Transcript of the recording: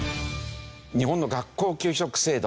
日本の学校給食制度